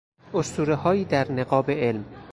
اسطورههایی در نقاب علم